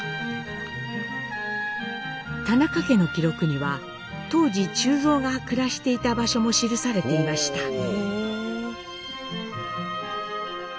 田中家の記録には当時忠蔵が暮らしていた場所も記されていました。